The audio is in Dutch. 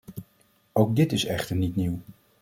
Ook dit is echter niet nieuw.